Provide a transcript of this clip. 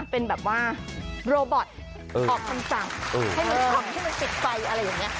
เป็นแบบว่าโรบอทออกคำสั่งให้มันปิดไฟอะไรอย่างนี้